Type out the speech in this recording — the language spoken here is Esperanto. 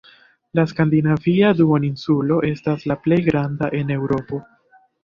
La Skandinavia duoninsulo estas la plej granda en Eŭropo.